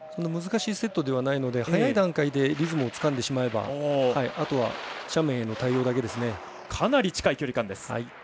難しいセットではないので早い段階でリズムをつかんでしまえばあとは斜面への対応だけですね。